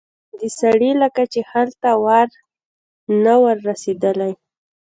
د سړي لکه چې هلته وار نه و رسېدلی.